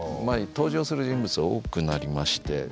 まあ登場する人物が多くなりまして。